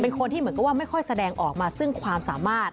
คนที่เหมือนกับว่าไม่ค่อยแสดงออกมาซึ่งความสามารถ